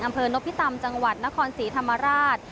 อำเภอนพิตำจังหวัดนครศรีธรรมราช